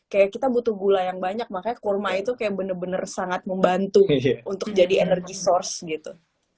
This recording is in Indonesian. kayak kita butuh gula yang banyak makanya kurma itu kayak bener bener sangat membantu untuk jadi energi source gitu